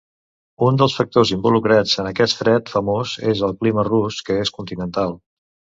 Un dels factors involucrats en aquest fred famós és el clima rus, que és continental.